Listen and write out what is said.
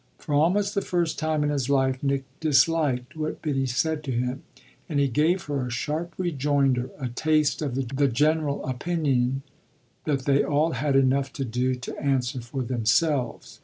For almost the first time in his life Nick disliked what Biddy said to him, and he gave her a sharp rejoinder, a taste of the general opinion that they all had enough to do to answer for themselves.